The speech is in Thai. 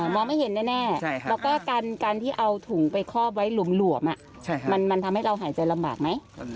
มองไม่เห็นแน่แล้วก็การที่เอาถุงไปคอบไว้หลวมมันทำให้เราหายใจลำบากไหม